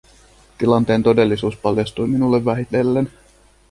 Tilanteen todellisuus paljastui minulle vähitellen.